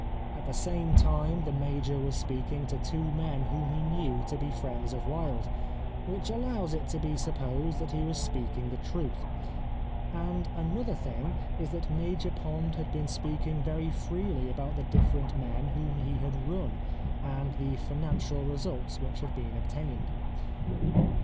At the same time the Major was speaking to two men whom he knew to be friends of Wilde — which allows it to be supposed that he was speaking the truth ; and another thing is that Major Pond had been speaking very freely about the different men whom he had " run," and the financial re sults which had been obtained.